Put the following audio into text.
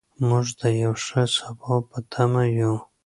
موږ د یو ښه سبا په تمه یو.